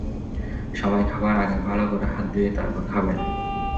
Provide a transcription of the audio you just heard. সবাই খাবার আগে ভালো করে হাত ধুয়ে তারপর খাবেন।